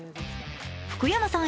福山さん